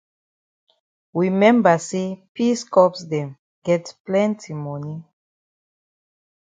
We memba say peace corps dem get plenti moni.